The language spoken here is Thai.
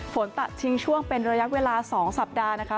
ฝนตัดทิ้งช่วงเป็นระยะเวลา๒สัปดาห์นะคะ